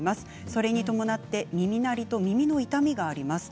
それに伴って耳鳴りと耳の痛みがあります。